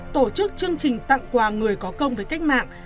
tổ chức chương trình tặng quà người có công với cách mạng